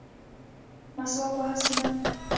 مسواک وهل سنت دي